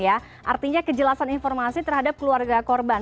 artinya kejelasan informasi terhadap keluarga korban